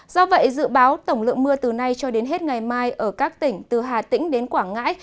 do vậy dự báo tổng lượng mưa từ nay cho đến hết ngày mai ở các tỉnh từ hà tĩnh đến quảng ngãi